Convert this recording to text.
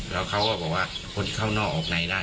แล้วเขาก็บอกว่าคนที่เข้านอกออกในได้